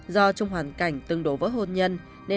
do trong hoàn cảnh tương đối với hôn nhân